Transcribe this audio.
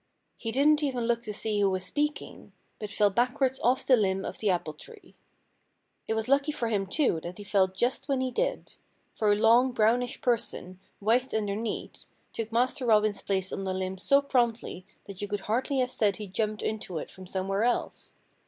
He didn't even look to see who was speaking, but fell backwards off the limb of the apple tree. It was lucky for him, too, that he fell just when he did. For a long brownish person, white underneath, took Master Robin's place on the limb so promptly that you could hardly have said he jumped into it from somewhere else.